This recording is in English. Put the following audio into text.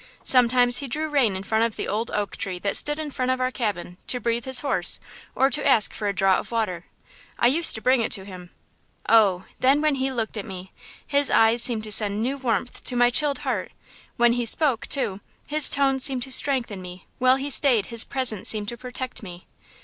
Sometimes he drew rein in front of the old oak tree that stood in front of our cabin to breathe his horse or to ask for a draught of water. I used to bring it to him. Oh! then, when he looked at me, his eyes seemed to send new warmth to my chilled heart; when he spoke, too, his tones seemed to strengthen me; while he stayed his presence seemed to protect me!"